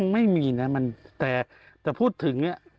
ไม่มีนะแต่พูดถึงเนี่ย